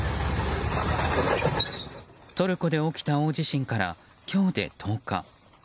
トルコで起きた大地震から今日で１０日。